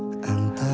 antara cinta kami